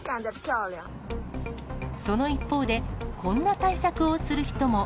その一方で、こんな対策をする人も。